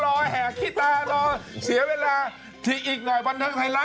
โทรเหมือนรายการที่ผมกำลังจะทำ